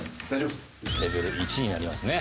レベル１になりますね。